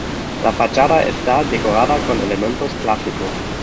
La fachada está decorada con elementos clásicos.